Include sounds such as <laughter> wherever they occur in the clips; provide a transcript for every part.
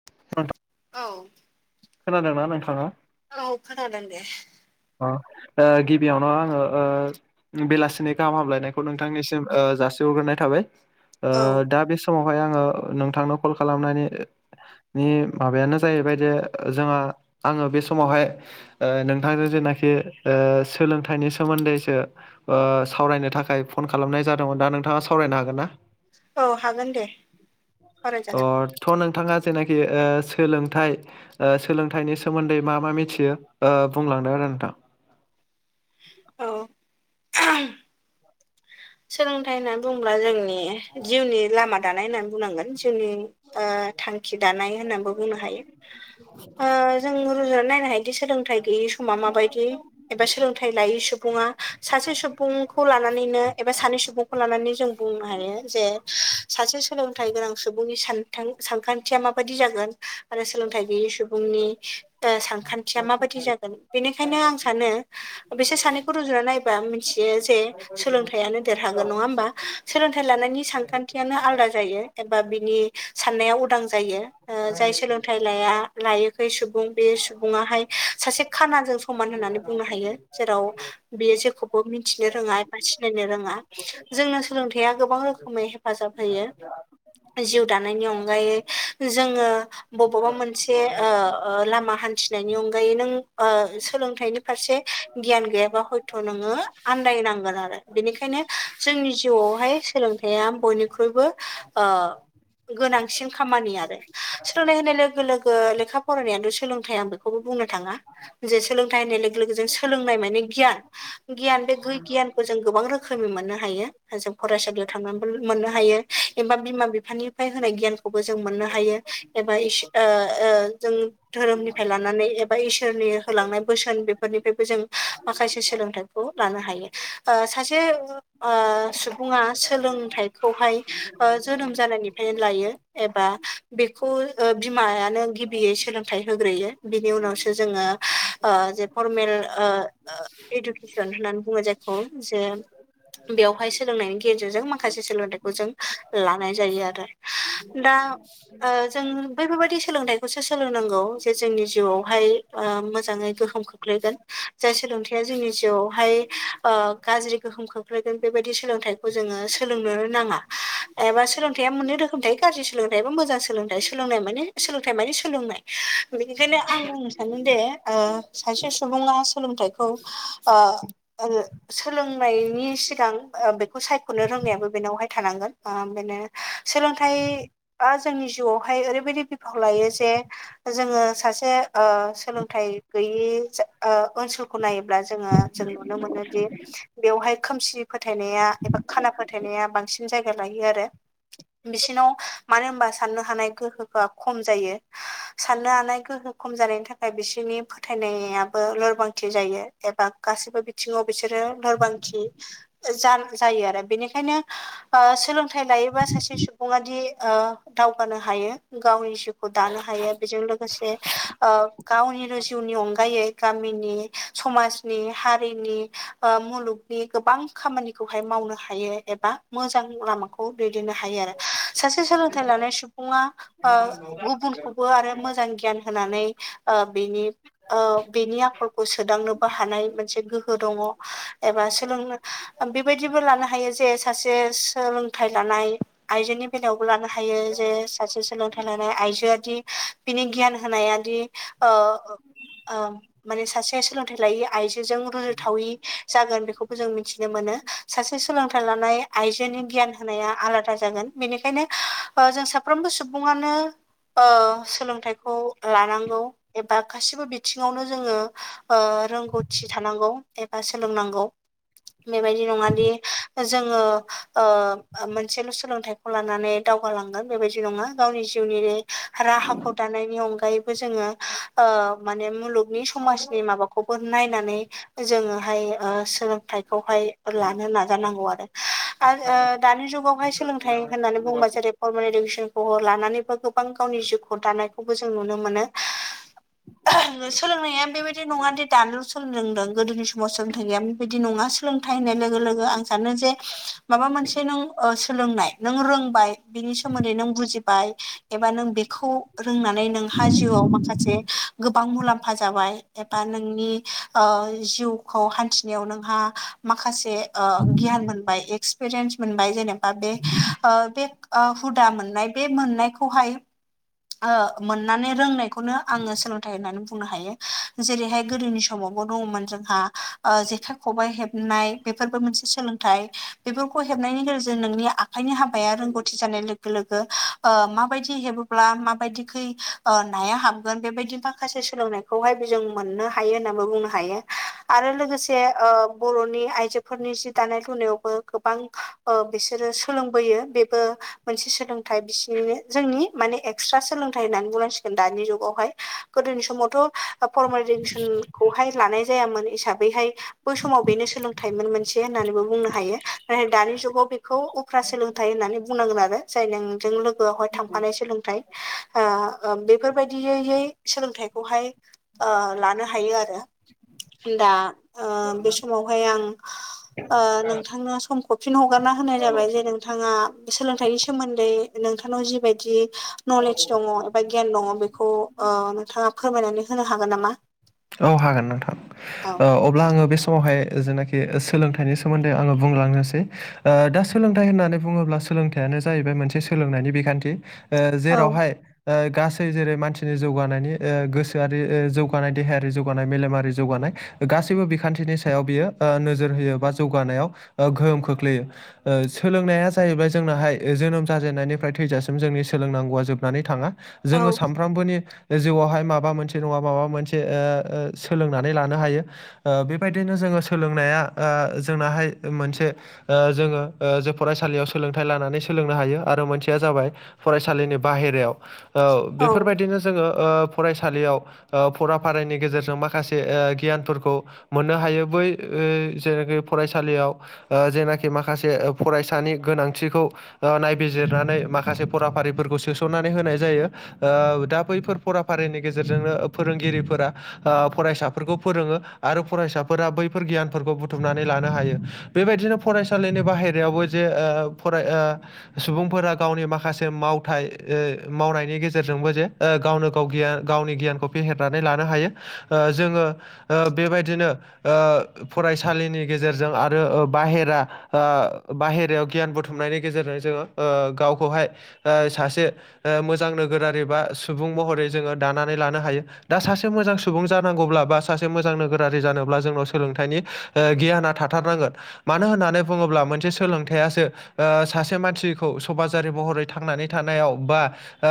<inaudible> औ खोनादोंना नोंथाङा? औ खोनादों दे। अ गिबियावनो आङो ओ बेलासिनि गाहाम हामलायनायखौ नोंथांनिसिम जासिहरग्रोनाय थाबाय औ दा बे समावहाय आङो नोंथांनो कल खालामनायनि नि माबायानो जाहैबाय जे जोङो आङो बे समावहाय ओ नोंथांजों जेनाखि ओ सोलोंथाइनि सोमोन्दैसो ओ सावरायनो थाखाय फन खालामनाय जादोंमोन दा नोंथाङा सावरायनो हागोन ना? औ हागोन दे अ सावरायजागोन। थ' नोंथाङा जेनाखि ओ सोलोंथाइ ओ सोलोंथाइनि सोमोन्दै मा मा मिथियो ओ बुंलांदो आरो नोंथां। औ सोलोंथाइ होननानै बुंङोब्ला जोंनि जिउनि लामा दानाय होननानै बुंनांगोन जिउनि ओ थांखि दानाय होननानैबो बुंनो हायो जों रुजुनानै नायनो हायोदि सोलों थाइ गैयै समा मा बायदि एबा सों लोंथाइ लायै सुबुङा सासे सुबुंखौ लानानैनो एबा सानै सुबुंखौ लानानै जों बुंनो हायो जे सासे सोलोंथाइ गोनां सुबुंनि सान बिथां सानखांन्थिया माबायदि जागोन आरो सोलोंथाइ गैयै सुबुंनि सानखान्थिया माबायदि जागोन बेनिखायनो आं सानो बिसोर सानैखौ रुजुना नायबा मिथियो जे सोलोंथाइ थायानो देरहागोन नङा होमबा सोलोंथाइ लानायनि सानखान्थियानो आलादा जायो एबा बिनि साननाया उदां जायो जाय सोलोंथाइ लाया लायखै सुबुं बे सुबङाहाय सासे खानाजों समान होननानै बुंनो हायो जेराव बेयो जेखौबो मिथिनो रोङा बासि सनायनो रोङा जोंनो सोलोंथाइया गोबां रोखोमै हेफाजाब होयो जिउ दानायनि अनगायै जोङो बबबा मोनसे लामा हान्थिनायनि अनगायै नों सोलोंथाइनि फारसे गियान गैयाबा हयथ' नोङो आन्दायनांगोन आरो बेनिखायनो जोंनि जिउवावहाय सोलोंथाइया बयनिख्रुइबो ओ गोनांसिन खामानि आरो सोलोंनाय होनाय लोगो लोगो लेखा फरायनायानो' सोलोंथाइ बेखौबो बुंनो थाङा जे सोलोंथाइ होननाय लोगो लोगो जों सोलोंनाय माने गियान गियान बे गुइ गियानखौ जों गोबां रोखोमै मोननो हायो जों फरायसालियाव थांनानैबो मोननो हायो एबा बिमा बिफानि फाय होनाय गियानखौबो जों मोननो हायो एबा जों धोरोमनिफ्राय लानानै एबा इसोरनि होलांनाय बोसोन बेफोरनिफ्रायबो जों माखासे सोलोंथाइ खौ लानो हायो ओ सासे सुबुङा सोलोंथाइखौहाय जोनोम जानायनिफ्रायनो लायो एबा बेखौ बिमायानो गिबियै सोलोंथाइ होग्रोयो बिनि उनावसो जोङो जे फर्मेल इडुकेसन होननानै बुङो जायो जे बेवहाय सोलोंनायनि गेजेरजों माखासे सोलोंथाइखौ जों लानाय जायो आरो दा ओ जों बैफोरबायादि सोलोंथाइखौसो सोलोंनांगौ जे जोंनि जिउवावहाय ओ मोजाङै गोहोम खोख्लैगोन जाय सोलोंथायाइया जोंनि जिउआवहाय गाज्रि गोहोम खोख्लैगोन बेबायदि सोलोंथाइखौ जोङो सोलोंनो नाङा एबा सोलोंथाइया मोननै रोखोम थायो गाज्रि सोलोंथाइ एबा मोजां सोलोंथाइ सोलोंनाय मानानि सोलोंथाइ मानानि सोलोंनाय बेनिखायनो आं बुंनो सानोदिे सासे सुबुङा सोलोंथाइखौ <unintelligible> सोलोंनायनि सिगां बेखौ सायख'नो रोंनायाबो बेनावहाय थानांगोन बेनो सोलोंथाइआ जोंनि जिउआवहाय ओरैबायदि बिफाव लायो जे जोङो सासे सोलोंथाइ गैयि ओनसोलखौ नायोब्ला जोङो जों नुनो मोनोदि बेवहाय खोमसि फोथायनाया एबा खाला फोथायनाया बांसिन जायगा लायो आरो बिसिनाव मानो होनबा साननो हानाय गोहोखौआ खम जायो साननो हानाय गोहो खम जानायनि थाखाय बिसोरनि फोथायनायाबो लोरबांथि जायो एबा गाैबो बिथिङाव बिसोरो लोरबांथि जायो आरो बेनिखायनो सोलोंथाइ लायोबा सासे सुबुंआदि दावगानो हायो गावनि खौ दानो हायो बेजों लोगोसे ओ गावनिनो जिउनि अनगायै गामिनि समाजनि हारिनि ओ मुलुगनि गोबां खामानिखौहाय मावनो हायो एबा मोजां लामाखौ खौ दैदेननो हायो आरो सासे सोलोंथाइ लानाय सुबुङा ओ गुबुनखौबो आरो मोजां गियान होनानै ओ बिनि औ बेनि आखलखौ सोदांनोबो हानाय मोनसे गोहो दङ एबा सोलोंनो बेबायदिबो लानो हायो जे सासे सोलोंथाइ लानाय आइजोनि फैनायावबो लानो हायो जे सासे सोलोंथाइ लानाय आइजोआादि बिनि गियान होनायायादि ओ माने सासेया सोलोंथाइ लायि आइजोजों रुजुथावि जागोन बेखौबो जों मिथिनो मोनो सासे सोलोंथाइ लानाय आइजोनि गियान होनाया आलादा जागोन बेनिखायनो जों साफ्रोमबो सुबुङानो सोलोंथाइखौ लानांगौ एबा गासिबो बिथिङावनो जोङो ओ रोंगौथि थानांगौ एबा सोलोंनांगौ बेबायदि नङादि जोङो ओ मोनसेल' सोलोंथाइ लानानै दावगालांगोन बेबायदि नङा गावनि जिउनि राहाखौ दानायनि अनगायैबो जोङो ओ माने मुलुग नि समाजनि माबाखौबो नायनानै जोङोहाय सोलोंथाइखौहाय लानो नाजानांगौ आरो आरो ओ दानि जुगावहाय सोलोंथाइ होननानै बुङोबा जेरै फरमेल इडुकेसनखौ लानानैबो गोबां गावनि जिउखौ दानायखौबो जों नुनो मोनो सोलोंनाया बेबायदि नङा दि दानि' सोलोंलोंदों गोदोनि सम समाव सोलोंथाइ गैया बेबायदि नङा सोलोंथाइ होननाय लोगो लोगो आं सानो जे माबा मोनसे नों ओ सोलोंनाय नों रोंबाय बिनि सोमोन्दै नों बुजिबाय एबा नों बेखौ रोंनानै नोंहा जिउआव माखासे गोबां मुलाम्फा जाबाय एबा नोंनि जिउ खौ हान्थिनायाव नोंहा माखासे ओ गियान मोनबाय एक्सपिरियेन्स मोनबाय जेनेबा ओ बे ओ बे हुदा मोननाय बे मोननायखौहाय मोननानै रोंनायखौनो आङो सोलोंथाइ होननानै बुंनो हायो जेरैहाय गोदोनि समावबो दङमोन जोंहा जेखाइ खबाइ हेबनाय बेफोरबो मोनसे सोलोंथाइ बेफोरखौ हेबनायनि गेजेरजों नोंनि आखायनि हाबाया रोंगौथि जानाय लोगो लोगो माबायदि हेबोब्ला माबायदिखै नाया हाबगोन बेबायदि माखासे सोलोंनायखौहायबो जों मोननो हायो होननानै बुंनो हायो आरो लोगोसे बर'नि आइजोफोरनि जि दानाय लुनायावबो गोबां बिसोरो सोलोंबोयो बेबो मोनसे सोलोंथाइ बिसिनिनो जोंनि माने एक्सट्रा सोलोंथाइ होननानै बुंनांसिगोन दानि जुगावहाय गोदोनि समावथ' फरमडसनखौहाय लानाय जायामोन हिसाबैहाय बै समाव बेनो सोलोंथाइमोन मोनसे होननानैबो बुंनो हायो नाथाय दानि जुगाव बेखौ फ्रा सोलोंथाइ होननानै बुंनांगोन आरो जाय नोंजों लोगोआवहाय थांफानाय सोलोंथाइ ओ बेफोरबायदियैैयै सोलोंथाइखौहाय ओ लानो हायो आरो दा बे समावहाय आं नोंथांनो सम हरफिन हगारना होनाय जाबाय जेरों नोंथाङा सोलोंथाइनि सोमोन्दै नोंथांनाव जिबायदि नलेज दङ एबा गियान दङ बेखौ बेखौ नोंथाङा फोरमायनानै होनो हागोन नामा औ हागोन नोंथां औ अब्ला आङो बे समावहाय जेनाखि सोलोंथाइनि सोमोन्दै आङो बुंलांनोसै दा सोलोंथाइ होननानै बुङोब्ला सोलोंथाइयानो जाहैबाय मोनसे सोलोंनायनि बिखान्थि औ जेरावहाय गासै जेरै मानसिनि जौगानायनि गोसोआरि जौगानाय देहायारि जौगानाय मेलेमारि जौगानाय गासैबो बिखान्थिनि सायाव बियो नोजोर होयो बा जौगानायाव गोहोम खोख्लैयो सोलोंनाया जाहैबाय जोंनाहाय जोनोम जाजेननायनिफ्राय थैजासिम जोंनि सोलोंनांगौआ जोबनानै थाङा औ जोङो सानफ्रोमबोनि जिउआवहाय माबा मोनसे नङा माबा मोनसे सोलोंनानै लानो हायो बेबायदिनो जोङो सोलोंनाया जोंनाहाय मोनसे जोङो जे फरायसालियाव सोलोंथाइ लानानै सोलोंनो हायो आरो मोनसेया जाबाय फरायसालिनि बाहेरायाव ओ औ बेफोरबायदिनो जोङो फरायसालियाव ओ फरा फारनि गेजेरजों माखासे गियानफोरखौ मोननो हायो बै जेखि फरायसालियाव जेनाखि माखासे फरायसानि गोनांथिखौ नायबिजिरनानै माखासे फराफारिफोरखौ सोसननानै होनाय जायो दा बैफोर फराफारिनि गेजेरजोंनो फोरोंगिरिफोरा फरायसाफोरखौ फोरोङो आरो फरायसाफोरा बैफोर गियानफोरखौ बुथुमनानै लानो हायो बेबायदिनो फरायसालिनि बाहेरायावबो जे ओ फराय ओ सुबुंफोरा गावनि माखासे मावथाय ओ मावनायनि गेजेरजोंबो जे ओ गावनो गाव गियान गावनि गियानखौ फेहेरनानै लानो हायो ओ जोङो ओ बेबायदिनो ओ फरायसालिनि गेजेरजों आरो बाहेरा ओ बाहेरायाव गियान बुथुमनायनि गेजेरजों जोङो ओ गावखौहाय ओ सासे ओ मोजां नोगोरारि बा सुबुं महरै जोङो दानानै लानो हायो दा सासे मोजां सुबुं जानांगौब्ला बा सासे मोजां नोगोरारि जानोब्ला जोंनाव सोलोंथाइनि ओ गियाना थाथारनांगोन मानो होननानै बुङोब्ला मोनसे सोलोंथायासो ओ सासे मानसिखौ समाजारि महरै थांनानै थानायाव बा ओ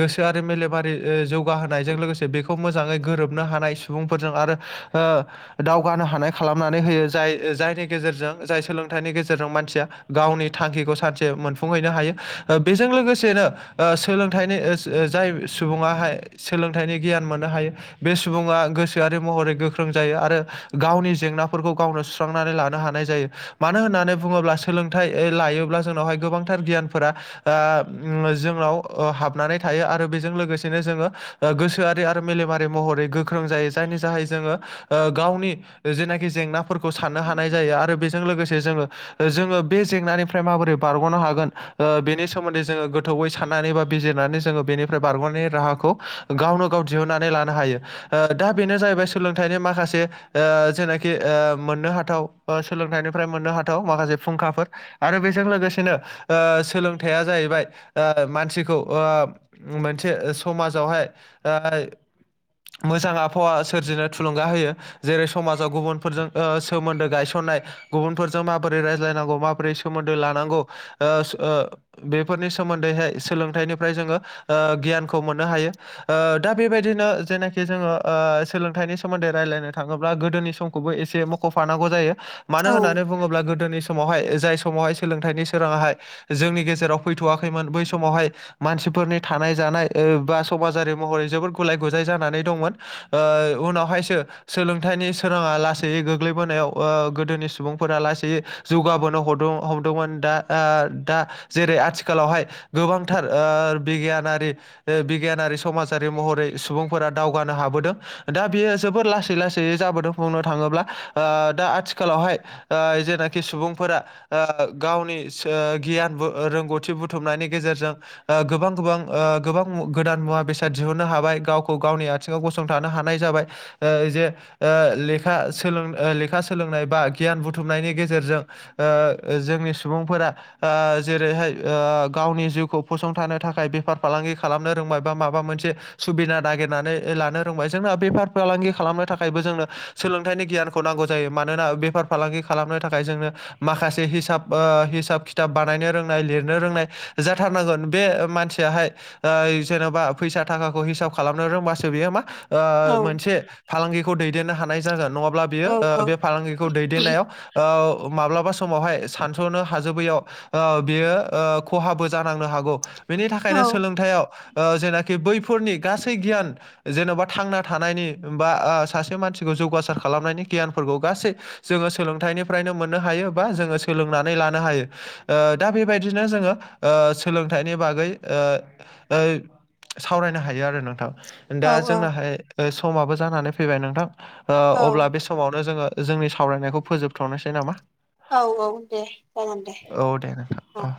गोसो आरो मेलेमारि ओ जौगाहोनायजों लोगोस बेखौ मोजाङै गोरोबनो हानाय सुबुंफोरजों आरो ओ दावगानो हानाय खालामनानै होयो जाय जायनि गेजेरजों जाय सोलोंथाइनि गेजेरजों मानसिया गावनि थांखिखौ सानसे मोनफुंहैनो हायो ओ बेजों लोगोसेनो ओ सोलोंथाइनि ओह ओ जाय सुबुङाहाय सोलोंथाइनि गियान मोननो हायो बे सुबुङा गोसोआरि महरै गोख्रों जायो आरो गावनि जेंनाफोरखौ गावनो सु सुस्रांनानै लानो हानाय जायो मानो होननानै बुङोब्ला सोलोंथाइ लायोब्ला जोंनावहाय गोबांथार गियानफोरा ओ जोंनाव हाबनानै थायो आरो बेजों लोगोसेनो जोङो गोसोआ आरो मेलेमारि महरै गोख्रों जायो जायनि जाहै जोङो ओ गावनि जेनाखि जेंनाफोरखौ साननो हानाय जायो आरो बेजों लोगोसे जोङो ओ जोङो बे जेंनानिफ्राय माबोरै बारगनो हागोन ओ बेनि सोमोन्दै जोङो गोथौवयै साननानै बा बिजिरनानै जोङो बेनिफ्राय बारगनायनि राहाखौ गावनो गाव दिहुननानै लानो हायो ओ दा बेनो जाहैबाय सोलोंथाइनि माखासे ओ जेनाखि ओ मोननो हाथाव ओ सोलोंथाइनिफ्राय मोननो हाथाव माखासे फुंखाफोर आरो बेजों लोगोसेनो ओ सोलोंथाइया जाहैबाय ओ मानसिखौ ओ मोनसे समाजावहाय ओ मोजां आबहावा सोरजिनो थुलुंगा होयो जेरै समाजाव गुबुनफोरजों ओ सोमोन्दो गायसननाय गुबुनफोरजों माबोरै रायज्लायनांगौ माबोरै सोमोन्दो लानांगौ ओ ओ बेफोरनि सोमोन्दैहाय सोलोंथाइनिफ्राय जोङो ओ गियानखौ मोननो हायो ओ दा बेबायदिनो जेनाखि जोङो ओ सोलोंथाइनि सोमोन्दै रायज्लायनो थाङोब्ला गोदोनि सम खौबो एसे मख फानांगौ जायो मानो औ होननानै बुङोब्ला गोदोनि समावहाय जाय समावहाय सोलोंथाइनि सोराङाहाय जोंनि गेजेराव फैथ वाखैमोन बै समावहाय मानसिफोरनि थानाय जानाय ओ बा समाजारि महरै जोबोर गुलाय गुजाय जानानै दंमोन ओ उनावहायसो सोलोंथाइनि सोराङा लासैयै गोग्लैबोनायाव ओ गोदोनि सुबुंफोरा लासैयै जौगाबोनो हदों हमदोंमोन दा आ दा जेरै आथिखालावहाय गोबांथार ओ बिगियानारि बिगियानारि समाज आरि महरै सुबुंफोरा दावगानो हाबोदों दा बेयो जोबोर लासै लासै जाबोदों बुंनो थाङोब्ला ओ दा आथिखालावहाय ओ जेनाखि सुबुंफोरा ओ गावनि सो गियानबो रोंगौथि बुथुमनायनि गेजेरजों ओ गोबां गोबां ओ गोबां गोदान मुवा बेसा साद दिहुननो हाबाय गावखौ गावनि आथिङाव गसंथानो हानाय जाबाय ओ जे ओ लेखा सोलों लेखा सोलोंनाय बा गियान बुथुमनायनि गेजेरजों ओ जोंनि सुबुंफोरा ओ जेरैहाय ओ गावनि जिउखौ फसंथानो थाखाय बेफार फालांगि खालामनो रोंबाय बा माबा मोन मोनसे सुबिदा नागिरनानै लानो रोंबाय जोंना बेफार फालांगि खालामनो थाखायबो जोंनो सोलोंथाइनि गियानखौ नांगौ जायो मानोना बेफार फालांगि खालामनो थाखाय जोंनो माखासे हिसाब ओ हिसाब खिथाब बानायनो रोंनाय लिरनो रोंनाय जाथारनांगोन बे माने मानसियाहाय जेनेबा फैसा थाखाखौ हिसाब खालामनो रोंबासो बेयो मा ओ औ मोनसे फालांगिखौ दैदेननो हानाय जागोन नङाब्ला बियो औ औ बे फालांगिखौ दैदेननायाव औ माब्लाबा समावहाय सानस'नो हाजोबैयाव ओ बेयो खहाबो जानांनो हागौ बेनि थाखायनो सोलोंथाइयाव जेना खि‌ बैफोरनि गासै गियान जेन'बा थांना थानायनि बा सासे मानसिखौ जौगासार खालामनायनि गियानफोरखौ गासै जोंङो सोलोंथाइनिफ्रायनो मोननो हायो बा जोंङो सोलोंनानै लानो हायो। ओ दा बेबायदिनो जोंङो ओ सोलोंथाइनि बागै ओ ओ सावरायनो हायो आरो नोंथां औ दा जोंनाहाय समाबो जानानै फैबाय नोंथां ओ अब्ला बे समावनो जोंङो जोंनि सावरायनायखौ फोजोबथ'नोसै नामा। औ औ दे जागोन दे औ दे नोंथां औ